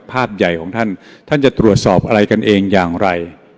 ใหญ่ของท่านท่านจะตรวจสอบอะไรกันเองอย่างไร